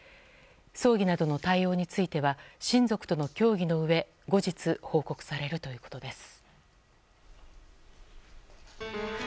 葬儀などの対応については親族との協議のうえ後日、報告されるということです。